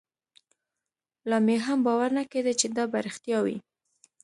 لا مې هم باور نه کېده چې دا به رښتيا وي.